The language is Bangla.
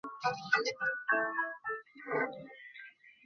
সবচেয়ে বেশি মনে পড়ে দেশে ফেলে আসা মায়াবী চেহারার কিছু মুখ।